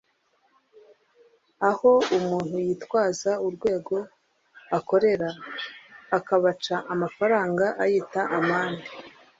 aho umuntu yitwaza urwego akorera akabaca amafaranga ayita amande